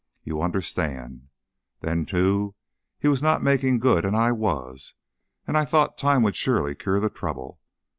You understand? Then, too, he was not making good and I was, and I thought time would surely cure the trouble.